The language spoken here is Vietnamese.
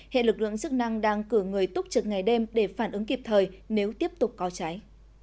hệ lực lượng chức năng đang cử người túc trực ngày đêm để phản ứng kịp thời nếu tiếp tục có cháy